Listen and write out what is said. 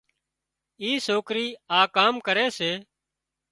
اي سوڪرِي آ ڪام ڪري سي